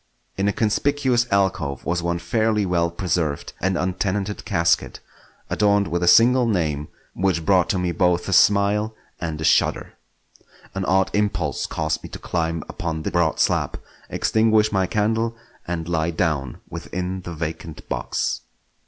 In a conspicuous alcove was one fairly well preserved and untenanted casket, adorned with a single name which brought to me both a smile and a shudder. An odd impulse caused me to climb upon the broad slab, extinguish my candle, and lie down within the vacant box.